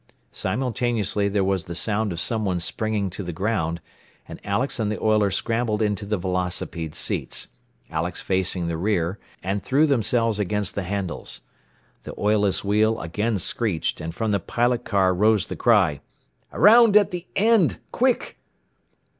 Simultaneously there was the sound of someone springing to the ground, and Alex and the oiler scrambled into the velocipede seats, Alex facing the rear, and threw themselves against the handles. The oilless wheel again screeched, and from the pilot car rose the cry, "Around at the end! Quick!"